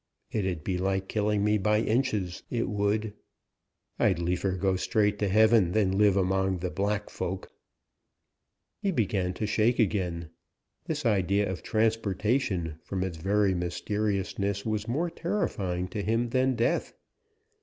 It 'ud be like killing me by inches, that would. It would. I'd liefer go straight to Heaven, than live on among the black folk." He began to shake again: this idea of transportation, from its very mysteriousness, was more terrifying to him than death.